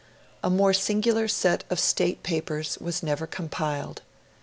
A more singular set of state papers was never compiled.